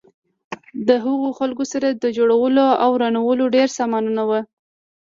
له هغو خلکو سره د جوړولو او ورانولو ډېر سامانونه وو.